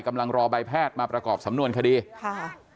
กำลังรอใบแพทย์มาประกอบสำนวนคดีค่ะ